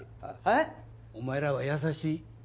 お前らは優しい。